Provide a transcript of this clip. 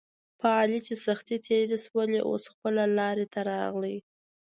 په علي چې سختې تېرې شولې اوس خپله لارې ته راغی.